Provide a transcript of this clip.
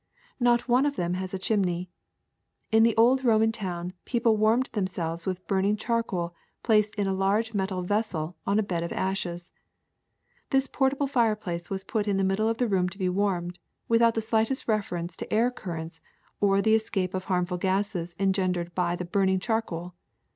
Not one of them has a chimney. In the old Roman town people warmed themselves with burning charcoal placed in a large metal vessel on a bed of ashes. This portable fireplace was put in the middle of the room to be warmed, without the slightest reference to air currents or the escape of harmful gases engendered by the burning charcoal.